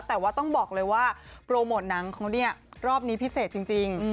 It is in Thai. แต่ว่าต้องบอกเลยว่าโปรโมทหนังเขาเนี่ยรอบนี้พิเศษจริง